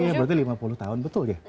iya berarti lima puluh tahun betul ya